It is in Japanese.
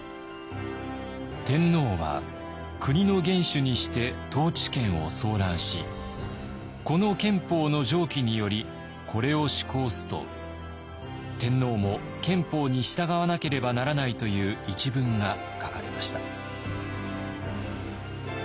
「天皇は国の元首にして統治権を総覧しこの憲法の条規によりこれを施行す」と「天皇も憲法に従わなければならない」という一文が書かれました。